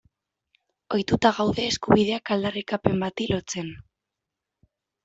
Ohituta gaude eskubideak aldarrikapen bati lotzen.